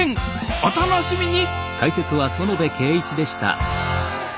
お楽しみに！